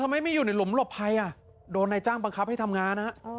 ไม่อยู่ในหลุมหลบภัยโดนนายจ้างบังคับให้ทำงาน